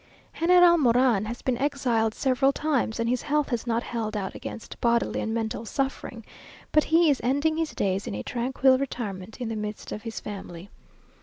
General Moran has been exiled several times, and his health has not held out against bodily and mental suffering; but he is ending his days in a tranquil retirement in the midst of his family.